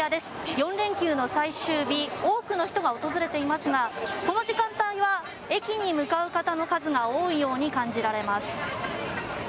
４連休の最終日多くの人が訪れていますがこの時間帯は駅に向かう方の数が多いように感じられます。